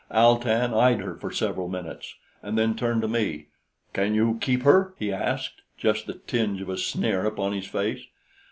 Al tan eyed her for several minutes and then turned to me. "Can you keep her?" he asked, just the tinge of a sneer upon his face.